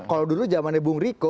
kalau dulu zaman ibu ngeriko